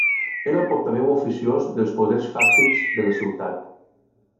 Era el portaveu oficiós dels poders fàctics de la ciutat.